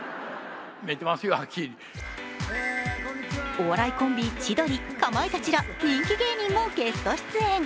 お笑いコンビ千鳥、かまいたちら人気芸人もゲスト出演。